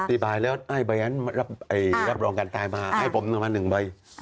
อธิบายแล้วไอ้แบรนด์รับรองการตายมาไอ้ผมนำมาหนึ่งใบ